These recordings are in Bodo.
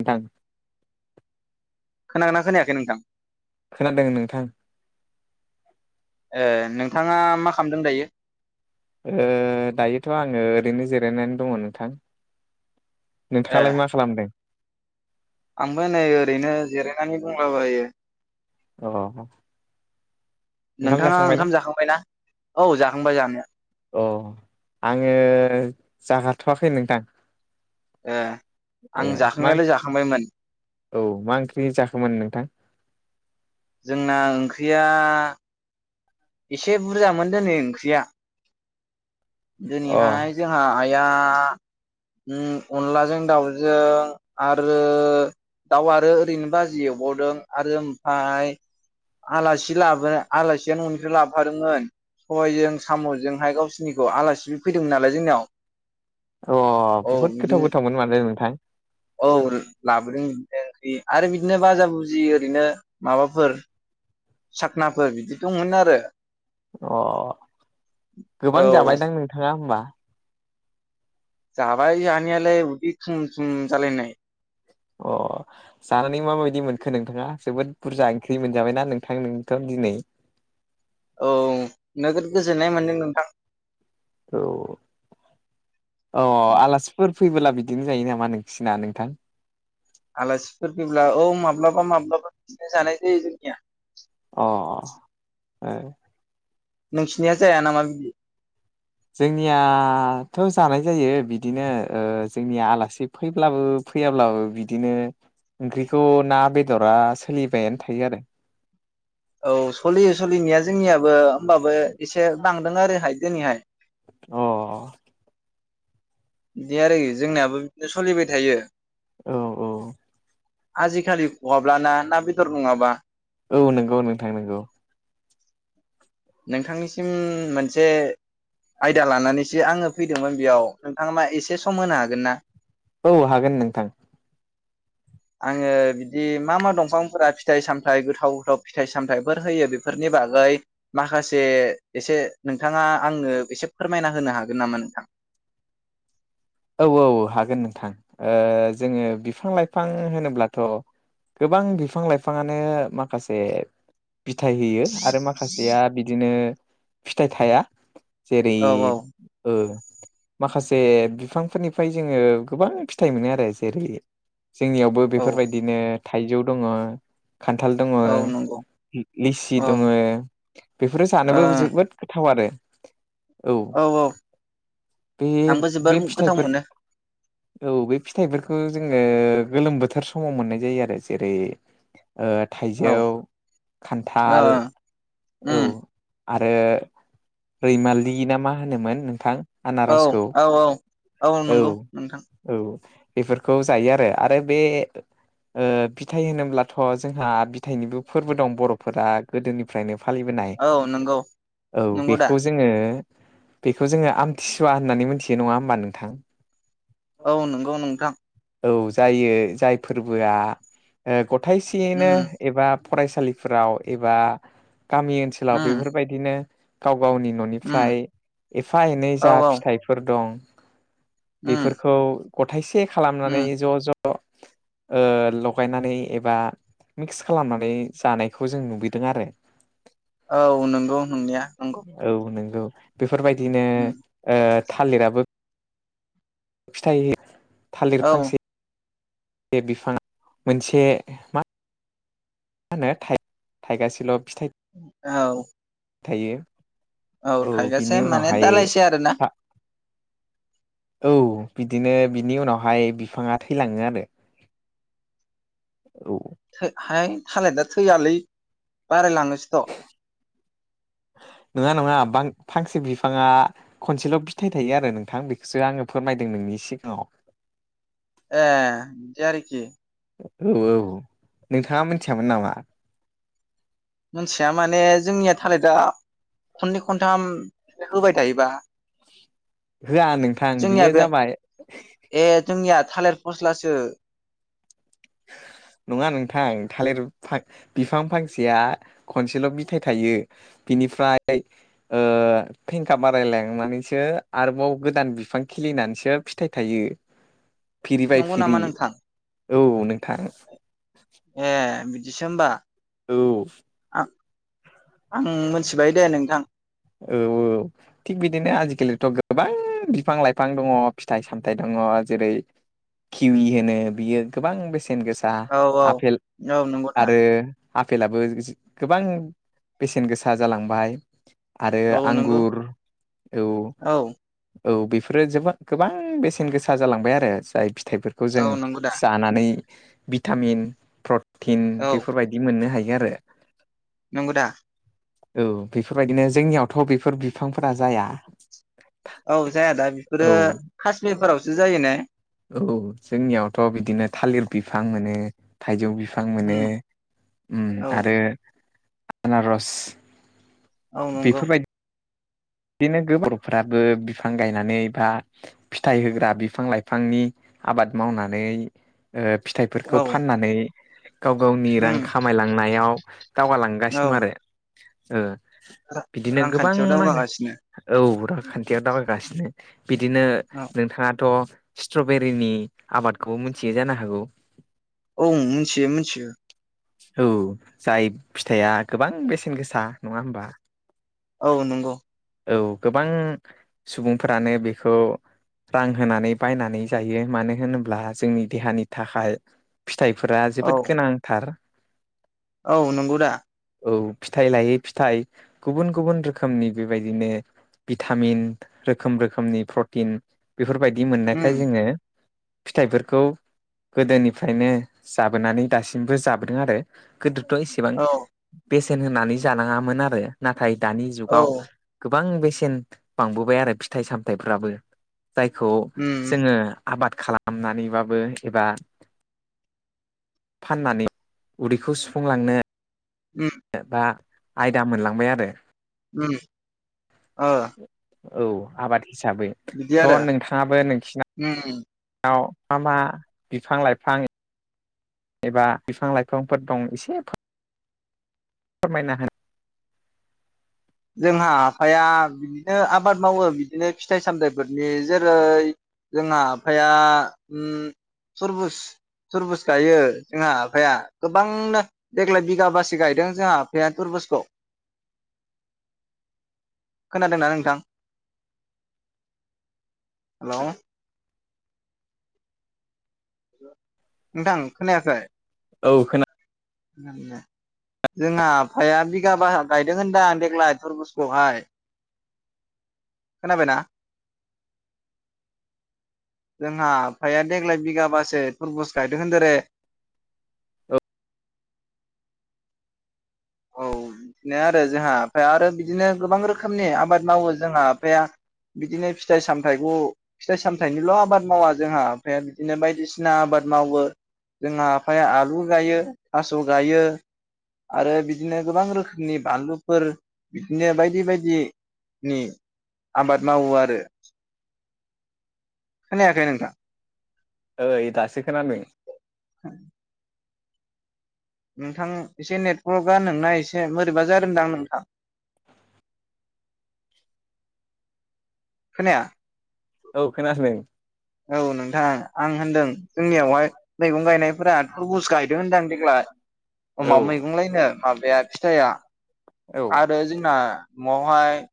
नोथां। खोनादोना खोनायाखै नोंथां? खोनादों नोंथां। ए नोंथाङा मा खालामदों दायो? ओ दायोथ आङो ओरैनो जिरायनानै दङ नोंथां। ए नोंथाङालाय मा खालामदों? आंबो नै ओरैनो जिराय नानै दंलाबायो अ अ नोंथाङा ओंखाम जाखांबाय ना? औ जाखांबाय जानाया। अ आङो जागाथ'वाखै नोंथां। ए आं ए मा जाखांनायालाय जाखांबायमोन ओं औ मा ओंख्रि जाखोमोन नोंथां? जोंना ओं ख्रिया एसे बुरजामोन दोनै ओंख्रिया अ दिनैहाय जोंहा आइ या अनलाजों दाउजों आरो दाउ आरो ओरैनो बाजि एवबावदों आरो ओमफाय आलासि लाबोना आलासिया न'नि लाबोफादोंमोन सबाइजों साम' जोंहाय गावसिनि खौ आलासिबो फैदोंमोन नालाय जोंनियाव। अ औ बुहुद गोथाव बिदिनो गोथावमोन माथो नोंथां औ लाबोदों बिदिनो ओंख्रि आरो बिदिनो बाजा बुजि ओरैनो माबाफोर साखनाफोर बिदि दंमोन आरो अ गोबां औ जाबायदां नोंथाङा होमबा जाबाय जानायालाय उदि थुम थुम जालायनाय अ जानानै माबायदि मोनखो नोंथाङा जोबोद बुरजा ओंख्रि मोनजाबायना नोंथां नोंथ' दिनै औ नोगोद गोजो जोननाय मोन्दों नोंथां। औ औ आलासिफोर फैबोला बि दिनो जायो नामा नोंसिना नोंथां? आलासिफोर फैब्ला औ माब्लाबा माब्लाबा बिदिनो जानाय जायो जोंनिया। अ ओ नोंसिनिया जाया नामा बिबदि जोंनियाथ' जानाय जायो बिदिनो ओ जोंनिया आलासि फैब्लाबो फैयाब्लाबो बिदिनो ओंख्रिखौ ना बेदरा सोलिबायानो थायो आरो औ सलियो सलिनिया जोंनिया बो होनबाबो एसे बां [unintelligible] अ अ। बिदि आरो जोंनियाबो बिबदिनो सलिबाय थायो। औ औ। आजिखालि खहाब्लाना ना बेदर नङाबा। औ नंगौ नोंथां नोंगौ। नोंथांनिसिम मोनसे आयदा लानानैसो आङो फैदोंमोन बेयाव नोंथाङा मा एसे सम होनो हागोन ना? औ हागोन नोंथां। आङो बिदि मा मा दंफांफोरा फिथाइ सामथाय गोथाव गोथाव फिथाइ सामथाइफोर होयो बेफोरनि बागै माखासे एसे नोंथाङा आंनो एसे फोरमायना होनो हागोन नामा नोंथां? औ औ हागोन नोंथां ओ जोङो बिफां लाइफां होनोब्लाथ' गोबां बिफां लाइफाङानो माखासे बिथाय होयो आरो माखासेया बिदिनो फिथाइ थाया जेरै औ औ ओ माखासे बि बिफांफोरनिफ्राय जोङो गोबां फिथाइ मोनो आरो जेरै जोंनियावबो औ बेफोरबायदिनो थाइजौ दङ'। खान्थाल दङ, औ नंगौ लि-लिसि औ दङ' बेफोरो ओ जानोबो जोबोद गोथाव आरो। औ औ आंबो जोबोर मो गो बोफोर्स औ बे फिथाइफोर खो जोङो गोलोम बोथोर समाव मोननाय जायो आरो जेरै ओ औ थाइजौ, ओ खान्थाल औ। उम आरो रैमालि ना मा होनोमोन नोंथां? औ आनारसखौ औ औ। औ नंगौ नोंथां। औ बेफोरखौ जायो आरो आरो बे ओ बिथाइ होनोब्लाथ' जोंहा बिथाइनिबो फोरबो दं बर'फोरा गोदोनिफ्रायनो फालिबोनाय औ नंगौ औ नंगौ दा बेखौ जोङो बेखौ जोङो आमथिसुवा होननानै मोनथियो नङा होमबा नों थां? औ नंगौ नोंथां। औ जायो जाय फोरबोआ ओ गथायसेयैनो उम एबा फरायसालिफोराव एबा गामि ओनसोलाव उम बेफोरबायदिनो थाव गावनि उम ननिफ्राय एफा एनै औ जा औ फिथाइफोर दं। उम बेफोरखौ गथायाइसे उम खालामनानै ज ज ओ लगायनानै एबा मिक्स खालामनानै जानायखौ जों नुबोैदों आरो। औ नोंगौ नोंनिया नोंगौ बे फोरबायदिनो ओ थालिराबो फिथाय हो थालिर औ फांसे बे बिफांङा मोनसे मा माहोनो थाइगासेल' फिथाइ औ थायो औ खायगासे बिनि माने उनावहाय दालायसे आरोना औ बिदिनो बिनि उनावहाय बिफांङा थैलांङो आरो औ थो हाय थालेदा थैयालै बारायलांङोसोथ' नोंङा नङा बां फांसे बिफांङा खनसेल' फिथाइ थायो आरो नोंथां बेखौसो आंङो फोरमायदों नोंनि सिगांङाव ए दि आरोखि औ औ नोंथांङा मिथियामोन नामा? मोनथिया माने जोंनिया थालेरदा खननै खनथाम होबाय थायोबा होआ नोंथां जोंनिया बियो जाबाय थालेर फस्लासो नंङा नोंथां थालेर बा बिफां फांसेया खनसेल' बिथाइ थायो बिनिफ्राय ओ फेंखा बारायलांनानैसो आरोबाव गोदान बिफां खिलिनानैसो फिथाइ थायो फिरिबाय नंगौ फिरि नामा नोंथां औ नों ए बि दिसोहोम्बा औ आं मिथिबाय दे नोंथां औ औ थिग बिदिनो आजिखालिथ' गोबां बिफां लाइफां दंङ फिथाइ सामथाइ दंङ जेरै खिलि होनो बियो गोबां बेसे सेन गोसा औ औ आपेल औ नंगौ दा आरो आपेलाबो जि गोबां बेसेन गोसा जालांबाय आरो औ नंगौ आंगुर औ औ औ बेफोरो जोबोद गोबां बेसेन गोसा जालांबाय आरो जाय फि थाइफोरखौ औ जों नंगौ दा जानानै भिटामिन प्र थिन बेफोरबायदि मोननो हायो। यो आरो। नोंगौ दा? औ बेफोरबायदिनो जोंनियावथ' बेफोर बिफांफोरा जाया। औ जाया दा बेफोरो औ कास्मिरफोरावसो जायो ने? औ आं माने थाइजौ बि फां मोनो उम उम औ आरो आनारस औ नंगौ। दिनो गोबां बर' फोराबो बिफां गायनानै बा फिथाइ होग्रा बिफां लाइफांनि आबाद मावनानै ओ औ फिथाइफोरखौ फाननानै गाव गावनि रां उम खामायलांनायाव औ दावगालांगासिनो दं आरो। ओ बिदिनो गोबां रांखान्थियाव मा होनो दावगागासिनो औ रा खान्थियाव दावगागासिनो। बिदिनो औ नोंथाङाथ' स्ट्रबेरिनि आबादखौबो मोनथियो जानो हागौ? औ मिन्थियो, मिन्थियो। औ जाय फिथाइया गोबां बेसेन गोसा, नङा होमबा? औ नंगो। औ गोबां सुबुंफोरानो बेखौ रां होनानै बायनानै जायो मानो होनोब्ला जोंनि देहानि थाखाय फिथाइफोरा औ जोबोद गोनांथार। औ नंगौ दा? औ फिथाइ लायै फिथाइ गुबुन गुबुन रोखोमनि बेबायदिनो भिटामिन रोखोम रोखोमनि प्रटिन बेफोरबाय दि उम मोननायखाय जोङो फिथाइफोरखौ गोदोनिफ्रायनो जाबोनानै दासिमबो जाबोदों आरो गोदो थ' एसेबां औ बेसे [unintelligible] होनानै जानाङामोन आरो ना थाय दानि जुगाव [unintelligible] बां बेसेन बांबोबाय आरो फिथाइ सामथायाइफ्राबो जायखौ उम जोङो आबाद खालामनानैबाबो एबा फाननानै उदैखौ सुफुंलांनो उम बा आयदा मोनलांबाय आरो उम ओ औ आबाद हिसाबै बिदि थ' आरो नोंथाङाबो उम नोंसिनाव मा मा बिफां लाइफां एबा बिफां लाइफांफोर दं एसे फोर- फोरमायना होनो जोंहा आफाया बिदिनो आबाद मावो बिदिनो फिथाइ सामथाइफोरनि जेरै जोंहा आफाया ओम तुरबुस तरबुस गायो जोंहा आफाया गोबांनो देग्लाय बिगाबासो गायदों जोंहा आफाया तरबुजखौ। खोनादोंना नोंथां हेल' [inaudible] खोनायाखै औ खोना जोंहा आफाया बिगाबा गायदों होनदां देग्लाय थरबुसआवहाय खोनाबाय ना? जोंहा आफाया देग्लाय बिगाबासो तुरबुस गायदों होनदों रे। औ औ बिदिनो आरो जोंहा ओमफ्राय आरो बिदिनो गोबां रोखोमनि आबाद मावो जोंहा आफाया बिदिनो फिथाइ सामथाइखौ फिथाइ सामथाइनिल' आबाद मावा जोंहा आफाया बिदिनो बायदिसिना बायदिसिना आबाद मावो। जोंना आफाया आलु गायो थास' गायो आरो बि बिदिनो गोबां रोखोमनि बानलुफोर बिदिनो बायदि बायदिनि आबाद मावो आरो खोनायाखै नोंथां? ओइ दासो खोनादों। [inaudible] नोंथां एसे नेटवर्कआ नोंना एसे बोरैबा जादोंदां नोंथां? खोनाया? औ खोनादों औ नोंथां आं होनदों जोंनियावहाय मैगं गायनायफोरा तुरबुस गायदों होनदां देग्लाय औ अमा मैगं लायनो माबाया फिथाइआ औ आरो जोंना न'आवहाय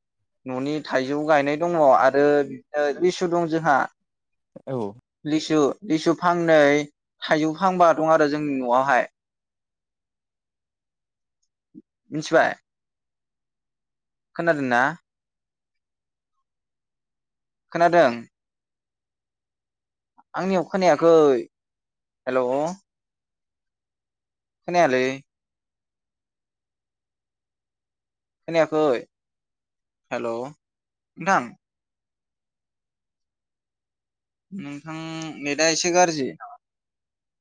न'नि थाइजौ गायनाय दङ आरो बिदिनो लेसु [unintelligible] जोंहा औ लेसु- लेसु फांनै थाइजौ फांबा दं आरो जोंनि न'आवहाय मिथिबाय? खोनादों ना? खोनादों? आंनियाव खोनायाखै हेल' खोनायालै । खोनाखै हेल' नोंथां? नोंथां नेटआ एसे गाज्रि।